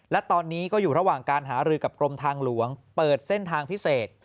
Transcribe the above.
และตอนนี้ก็อยู่ระหว่างการหารือกับกรมทางหลวงเปิดเส้นทางพิเศษ